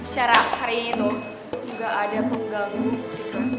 secara hari itu gak ada pengganggu di kelas gue